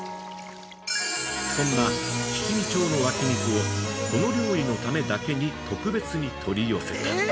そんな匹見町の湧き水をこの料理のためだけに特別に取り寄せ。